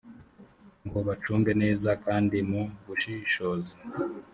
ngo bacunge neza kandi mu bushishozi